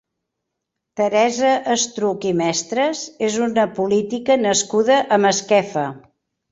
Teresa Estruch i Mestres és una política nascuda a Masquefa.